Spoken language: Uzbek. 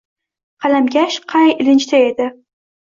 Qalamkash qay ilinjda edi.